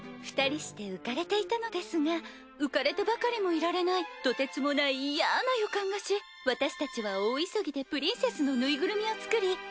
２人して浮かれていたのですが浮かれてばかりもいられないとてつもないいやな予感がし私たちは大急ぎでプリンセスのぬいぐるみを作り